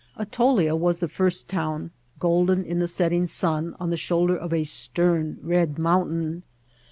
Atolia was the first town, golden in the setting fiun, on the shoulder of a stern, red mountain.